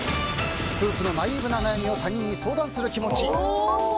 夫婦のナイーブな悩みを他人に相談する気持ち。